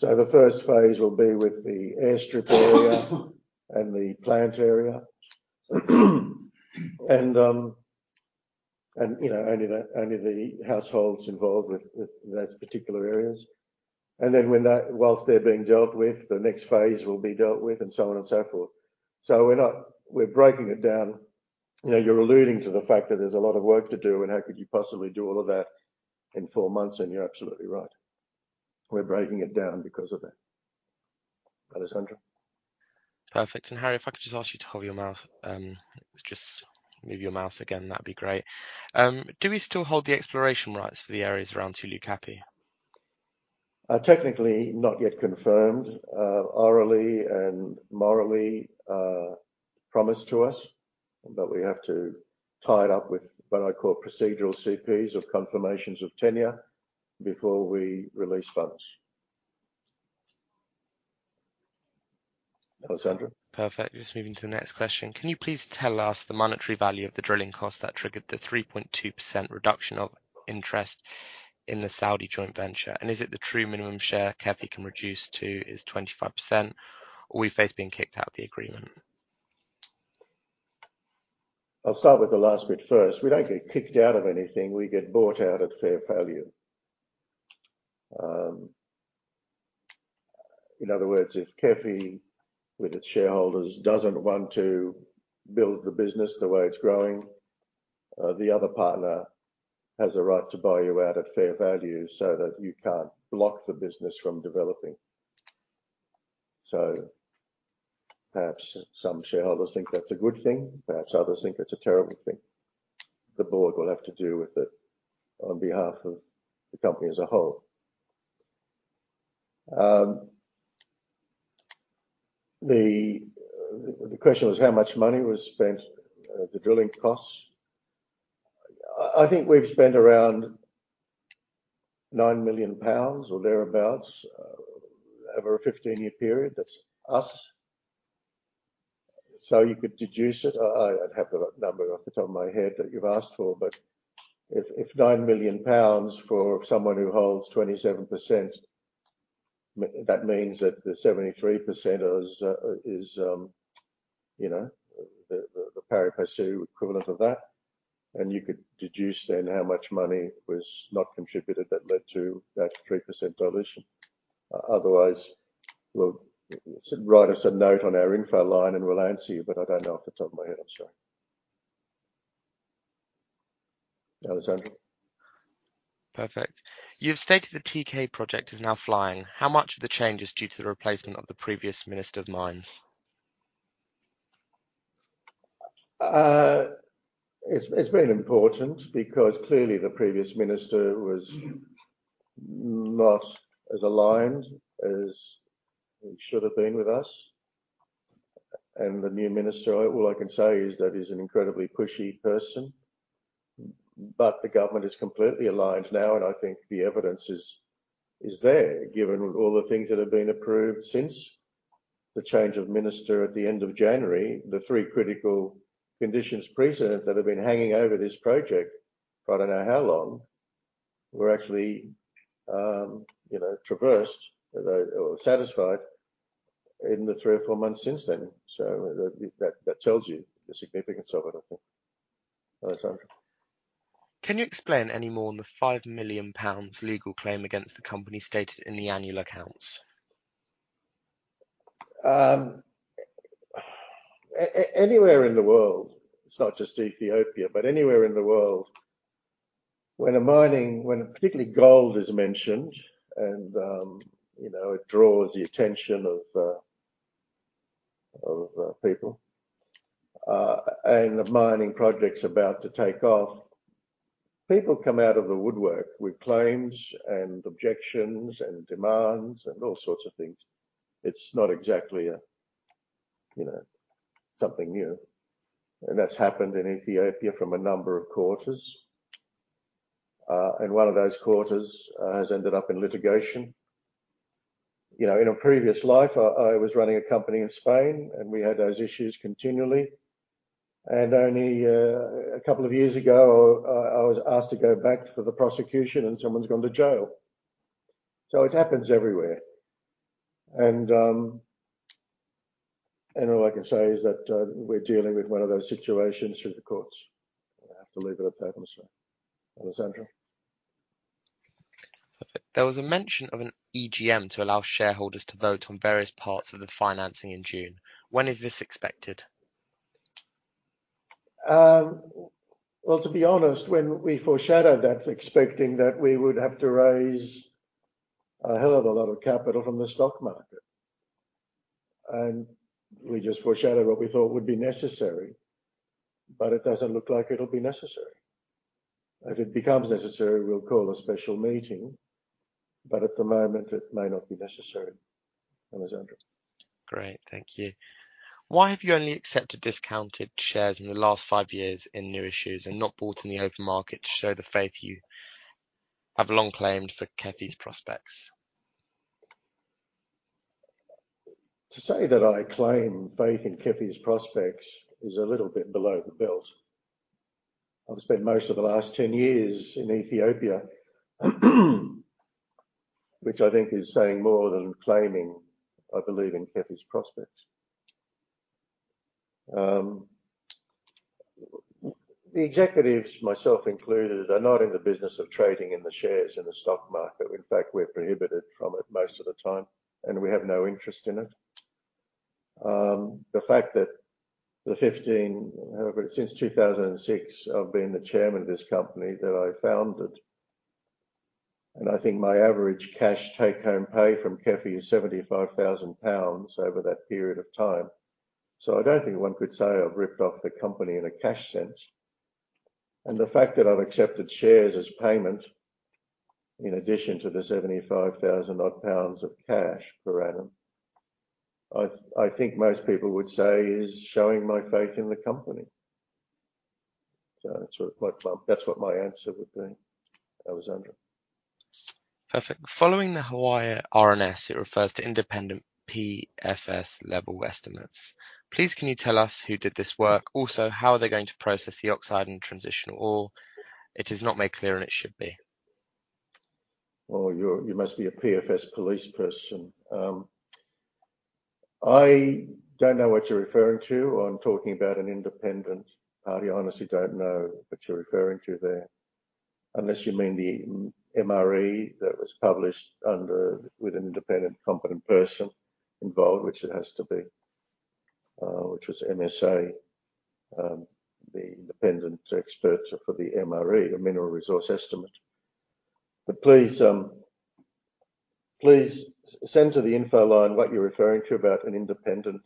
The first phase will be with the airstrip area and the plant area. You know, only the households involved with those particular areas. While they're being dealt with, the next phase will be dealt with and so on and so forth. We're breaking it down. You know, you're alluding to the fact that there's a lot of work to do and how could you possibly do all of that in four months, and you're absolutely right. We're breaking it down because of that. Alessandro. Perfect. Harry, if I could just ask you to hold your mouse, just move your mouse again. That'd be great. Do we still hold the exploration rights for the areas around Tulu Kapi? Technically not yet confirmed. Orally and morally promised to us, but we have to tie it up with what I call procedural CPs of confirmations of tenure before we release funds. Alessandro. Perfect. Just moving to the next question. Can you please tell us the monetary value of the drilling cost that triggered the 3.2% reduction of interest in the Saudi joint venture? And is it the true minimum share KEFI can reduce to is 25%, or we face being kicked out of the agreement? I'll start with the last bit first. We don't get kicked out of anything. We get bought out at fair value. In other words, if KEFI, with its shareholders, doesn't want to build the business the way it's growing, the other partner has a right to buy you out at fair value so that you can't block the business from developing. Perhaps some shareholders think that's a good thing. Perhaps others think it's a terrible thing. The board will have to deal with it on behalf of the company as a whole. The question was how much money was spent, the drilling costs. I think we've spent around 9 million pounds or thereabouts, over a 15-year period. That's us. You could deduce it. I'd have the number off the top of my head that you've asked for. If 9 million pounds for someone who holds 27%, that means that the 73%ers is the pari passu equivalent of that. You could deduce then how much money was not contributed that led to that 3% dilution. Otherwise, well, write us a note on our info line and we'll answer you, but I don't know off the top of my head. I'm sorry. Alessandro. Perfect. You've stated the TK project is now flying. How much of the change is due to the replacement of the previous Minister of Mines? It's been important because clearly the previous minister was not as aligned as he should have been with us. The new minister, all I can say is that he's an incredibly pushy person. The government is completely aligned now, and I think the evidence is there, given all the things that have been approved since the change of minister at the end of January. The three critical Conditions Precedent that have been hanging over this project, I don't know how long, were actually, you know, traversed or satisfied in the three or four months since then. That tells you the significance of it, I think. Alessandro. Can you explain any more on the 5 million pounds legal claim against the company stated in the annual accounts? Anywhere in the world, it's not just Ethiopia, but anywhere in the world when particularly gold is mentioned and, you know, it draws the attention of people. The mining project's about to take off. People come out of the woodwork with claims and objections and demands and all sorts of things. It's not exactly something new. That's happened in Ethiopia from a number of quarters. One of those quarters has ended up in litigation. You know, in a previous life I was running a company in Spain, and we had those issues continually. Only a couple of years ago I was asked to go back for the prosecution, and someone's gone to jail. It happens everywhere. All I can say is that we're dealing with one of those situations through the courts. I have to leave it at that, I'm sorry. Alessandro. Perfect. There was a mention of an EGM to allow shareholders to vote on various parts of the financing in June. When is this expected? Well, to be honest, when we foreshadowed that expecting that we would have to raise a hell of a lot of capital from the stock market. We just foreshadowed what we thought would be necessary. It doesn't look like it'll be necessary. If it becomes necessary, we'll call a special meeting. At the moment it may not be necessary. Alessandro. Great. Thank you. Why have you only accepted discounted shares in the last five years in new issues and not bought in the open market to show the faith you have long claimed for KEFI's prospects? To say that I claim faith in KEFI's prospects is a little bit below the belt. I've spent most of the last 10 years in Ethiopia which I think is saying more than claiming I believe in KEFI's prospects. The executives, myself included, are not in the business of trading in the shares in the stock market. In fact, we're prohibited from it most of the time, and we have no interest in it. However, since 2006, I've been the chairman of this company that I founded. I think my average cash take-home pay from KEFI is 75 thousand pounds over that period of time. I don't think one could say I've ripped off the company in a cash sense. The fact that I've accepted shares as payment in addition to the 75,000-odd pounds of cash per annum, I think most people would say is showing my faith in the company. That's what my answer would be. Alessandro. Perfect. Following the Hawiah RNS, it refers to independent PFS-level estimates. Please can you tell us who did this work? Also, how are they going to process the oxide and transition ore? It is not made clear, and it should be. Oh, you must be a PFS police person. I don't know what you're referring to when talking about an independent party. I honestly don't know what you're referring to there. Unless you mean the MRE that was published with an independent competent person involved, which it has to be. Which was MSA, the independent experts for the MRE, a mineral resource estimate. But please send to the info line what you're referring to about an independent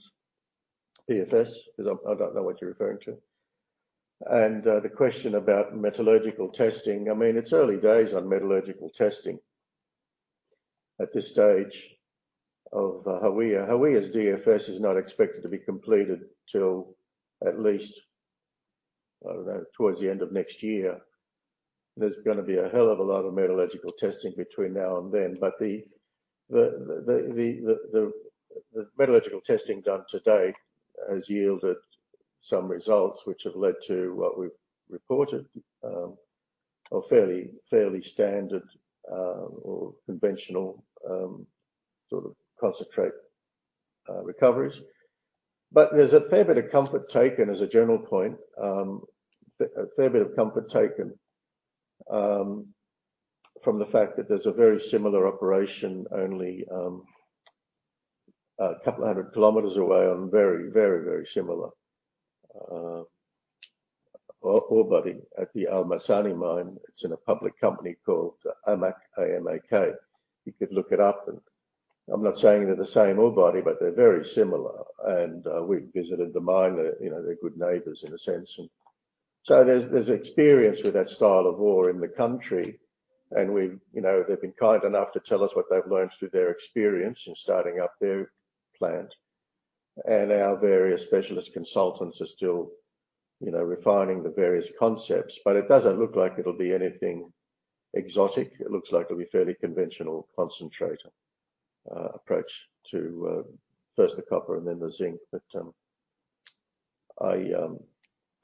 PFS 'cause I don't know what you're referring to. The question about metallurgical testing. I mean, it's early days on metallurgical testing at this stage of Hawiah. Hawiah's DFS is not expected to be completed till at least, I don't know, towards the end of next year. There's gonna be a hell of a lot of metallurgical testing between now and then. The metallurgical testing done to date has yielded some results which have led to what we've reported. A fairly standard or conventional sort of concentrate recoveries. There's a fair bit of comfort taken as a general point. A fair bit of comfort taken from the fact that there's a very similar operation only a couple hundred kilometers away and very similar ore body at the Al Masane mine. It's in a public company called AMAK, A-M-A-K. You could look it up. I'm not saying they're the same ore body, but they're very similar. We visited the mine. They're, you know, they're good neighbors in a sense. There's experience with that style of ore in the country. you know, they've been kind enough to tell us what they've learned through their experience in starting up their plant. Our various specialist consultants are still, you know, refining the various concepts. It doesn't look like it'll be anything exotic. It looks like it'll be fairly conventional concentrator approach to first the copper and then the zinc.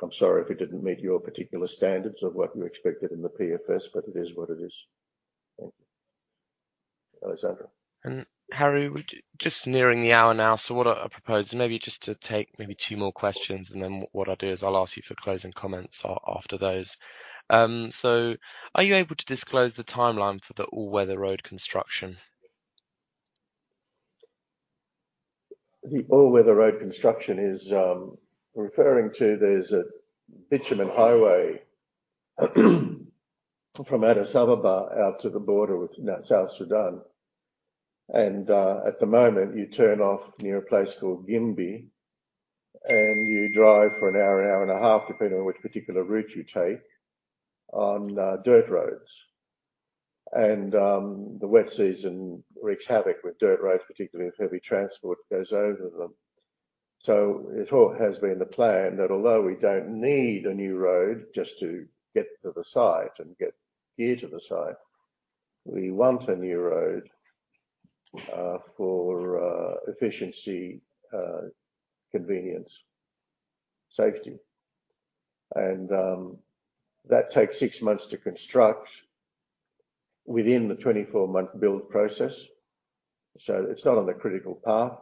I'm sorry if it didn't meet your particular standards of what you expected in the PFS, but it is what it is. Thank you. Alessandro. Harry, we're just nearing the hour now. What I propose maybe just to take maybe two more questions and then what I'll do is I'll ask you for closing comments after those. Are you able to disclose the timeline for the all-weather road construction? The all-weather road construction is referring to there's a bitumen highway from Addis Ababa out to the border with now South Sudan. At the moment, you turn off near a place called Gimbi, and you drive for one hour, one hour and a half, depending on which particular route you take, on dirt roads. The wet season wreaks havoc with dirt roads, particularly if heavy transport goes over them. It all has been the plan that although we don't need a new road just to get to the site and get gear to the site, we want a new road for efficiency, convenience, safety. That takes six months to construct within the 24-month build process. It's not on the critical path.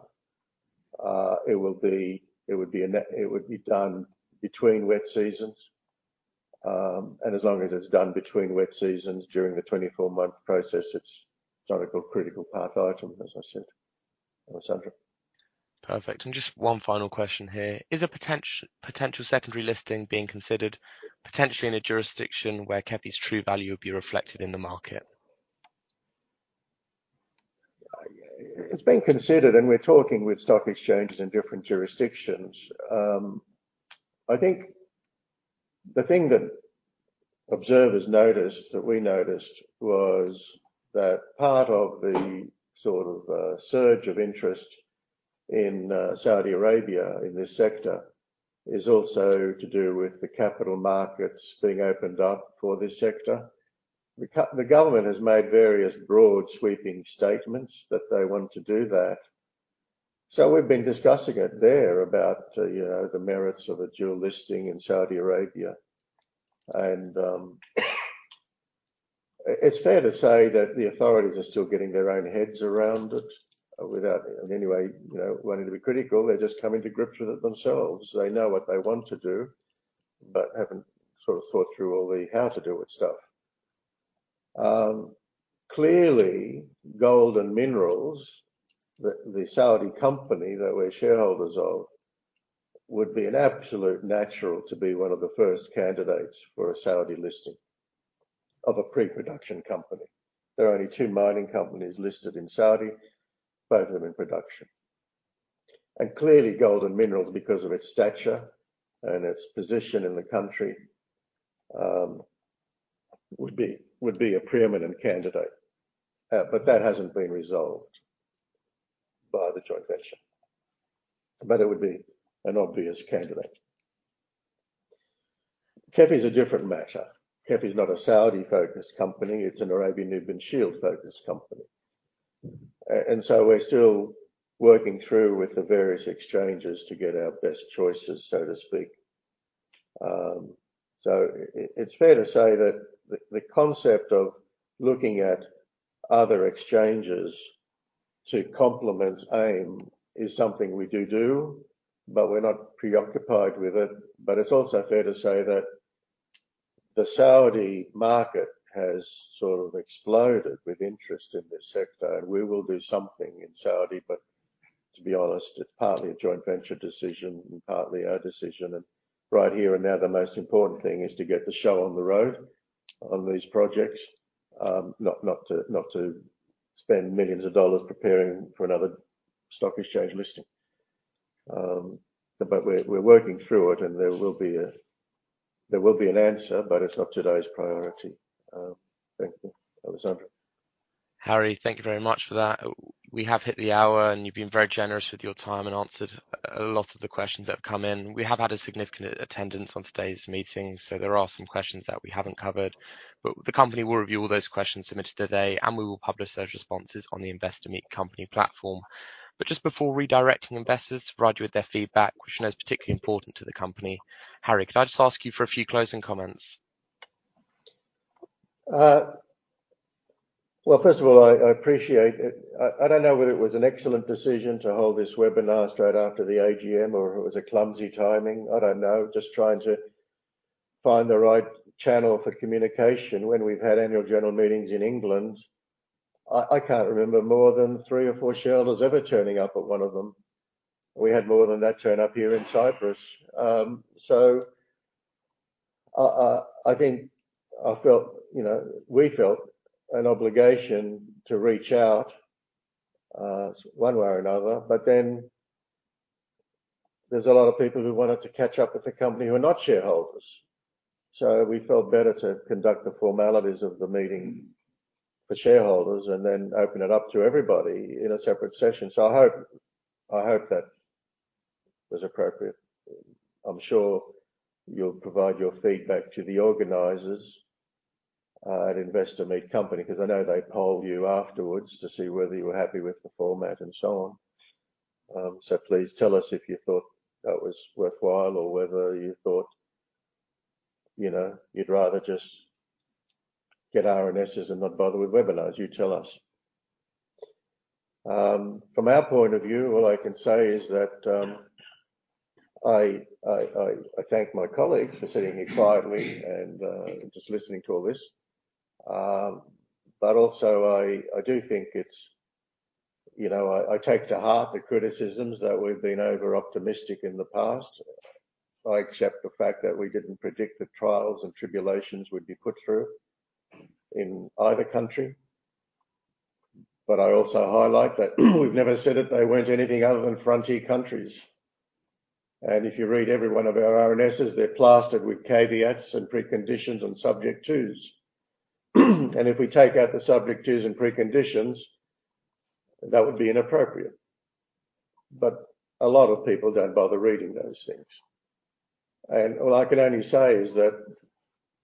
It would be done between wet seasons. As long as it's done between wet seasons during the 24-month process, it's not a critical path item, as I said. Alessandro. Perfect. Just one final question here. Is a potential secondary listing being considered potentially in a jurisdiction where KEFI's true value would be reflected in the market? It's been considered, and we're talking with stock exchanges in different jurisdictions. I think the thing that observers noticed, that we noticed was that part of the sort of surge of interest in Saudi Arabia in this sector is also to do with the capital markets being opened up for this sector. The government has made various broad, sweeping statements that they want to do that. We've been discussing it there about you know the merits of a dual listing in Saudi Arabia. It's fair to say that the authorities are still getting their own heads around it without in any way you know wanting to be critical. They're just coming to grips with it themselves. They know what they want to do but haven't sort of thought through all the how to do it stuff. Clearly, Gold and Minerals, the Saudi company that we're shareholders of, would be an absolute natural to be one of the first candidates for a Saudi listing of a pre-production company. There are only two mining companies listed in Saudi, both of them in production. Clearly, Gold and Minerals, because of its stature and its position in the country, would be a preeminent candidate. That hasn't been resolved by the joint venture. It would be an obvious candidate. KEFI is a different matter. KEFI is not a Saudi-focused company. It's an Arabian Nubian Shield-focused company. We're still working through with the various exchanges to get our best choices, so to speak. It’s fair to say that the concept of looking at other exchanges to complement AIM is something we do, but we're not preoccupied with it. It’s also fair to say that the Saudi market has sort of exploded with interest in this sector. We will do something in Saudi, but to be honest, it's partly a joint venture decision and partly our decision. Right here and now, the most important thing is to get the show on the road on these projects, not to spend $ millions preparing for another stock exchange listing. We're working through it, and there will be an answer, but it's not today's priority. Thank you. Alessandro. Harry, thank you very much for that. We have hit the hour, and you've been very generous with your time and answered a lot of the questions that have come in. We have had a significant attendance on today's meeting, so there are some questions that we haven't covered. The company will review all those questions submitted today, and we will publish those responses on the Investor Meet Company platform. Just before redirecting investors to provide you with their feedback, which I know is particularly important to the company, Harry, could I just ask you for a few closing comments? Well, first of all, I appreciate it. I don't know whether it was an excellent decision to hold this webinar straight after the AGM or if it was a clumsy timing. I don't know. Just trying to find the right channel for communication. When we've had annual general meetings in England, I can't remember more than three or four shareholders ever turning up at one of them. We had more than that turn up here in Cyprus. I think I felt, you know, we felt an obligation to reach out, one way or another. There's a lot of people who wanted to catch up with the company who are not shareholders. We felt better to conduct the formalities of the meeting for shareholders and then open it up to everybody in a separate session. I hope that was appropriate. I'm sure you'll provide your feedback to the organizers at Investor Meet Company, 'cause I know they poll you afterwards to see whether you were happy with the format and so on. Please tell us if you thought that was worthwhile or whether you thought, you know, you'd rather just get RNSs and not bother with webinars. You tell us. From our point of view, all I can say is that I thank my colleagues for sitting here quietly and just listening to all this. Also I do think it's, you know, I take to heart the criticisms that we've been over-optimistic in the past. I accept the fact that we didn't predict the trials and tribulations we'd be put through in either country. I also highlight that we've never said that they weren't anything other than frontier countries. If you read every one of our RNSs, they're plastered with caveats and preconditions and subject tos. If we take out the subject tos and preconditions, that would be inappropriate. A lot of people don't bother reading those things. All I can only say is that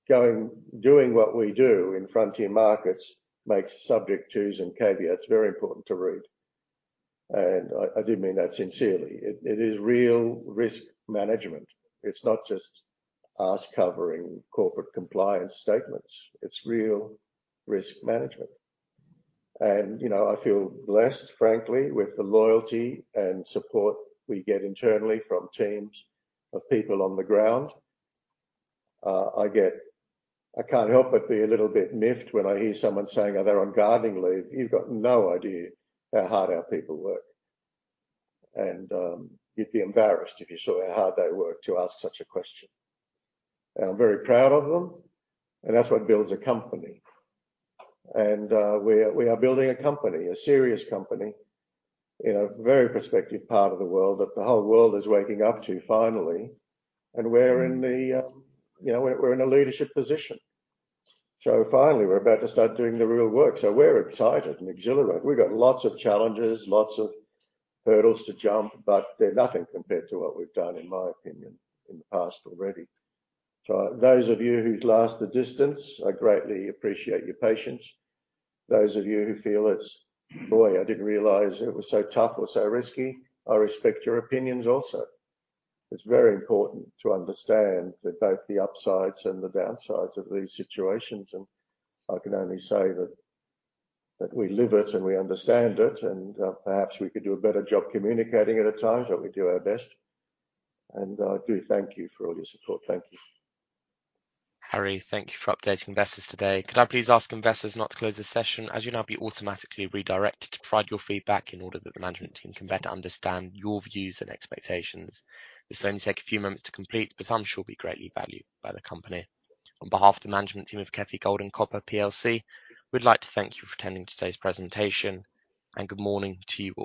going, doing what we do in frontier markets makes subject tos and caveats very important to read. I do mean that sincerely. It is real risk management. It's not just us covering corporate compliance statements. It's real risk management. You know, I feel blessed, frankly, with the loyalty and support we get internally from teams of people on the ground. I get I can't help but be a little bit miffed when I hear someone saying, "Oh, they're on gardening leave." You've got no idea how hard our people work. You'd be embarrassed if you saw how hard they work to ask such a question. I'm very proud of them, and that's what builds a company. We are building a company, a serious company, in a very prospective part of the world that the whole world is waking up to finally. We're in the, you know, we're in a leadership position. Finally, we're about to start doing the real work. We're excited and exhilarated. We've got lots of challenges, lots of hurdles to jump, but they're nothing compared to what we've done, in my opinion, in the past already. Those of you who've lasted the distance, I greatly appreciate your patience. Those of you who feel it's, "Boy, I didn't realize it was so tough or so risky," I respect your opinions also. It's very important to understand that both the upsides and the downsides of these situations, and I can only say that we live it and we understand it, and perhaps we could do a better job communicating at times, but we do our best. I do thank you for all your support. Thank you. Harry, thank you for updating investors today. Could I please ask investors not to close this session, as you'll now be automatically redirected to provide your feedback in order that the management team can better understand your views and expectations. This will only take a few moments to complete, but I'm sure will be greatly valued by the company. On behalf of the management team of KEFI Gold and Copper Plc, we'd like to thank you for attending today's presentation. Good morning to you all.